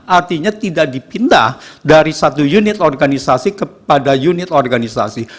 artinya tidak dipindah dari satu unit organisasi kepada unit organisasi